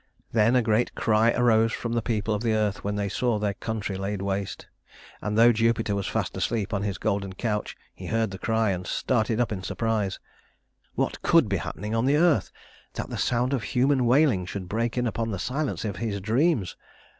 Then a great cry arose from the people of the earth when they saw their country laid waste; and though Jupiter was fast asleep on his golden couch he heard the cry, and started up in surprise. What could be happening on the earth that the sound of human wailing should break in upon the silence of his dreams!